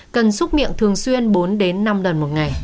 cần xúc miệng thường xuyên bốn đến năm lần một ngày